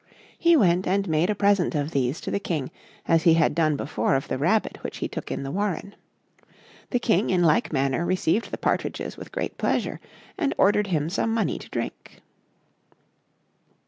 He went and made a present of these to the King, as he had done before of the rabbit which he took in the warren. The King in like manner received the partridges with great pleasure, and ordered him some money to drink.